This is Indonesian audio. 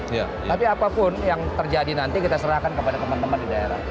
tapi apapun yang terjadi nanti kita serahkan kepada teman teman di daerah